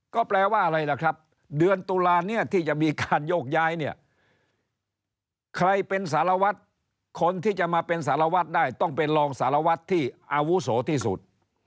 ก็แปลว่าอะไรล่ะครับเดือนตุลาเนี่ยที่จะมีการโยกย้ายเนี่ยใครเป็นสารวัตรคนที่จะมาเป็นสารวัตรได้ต้องเป็นรองสารวัตรที่อาวุโสที่สุด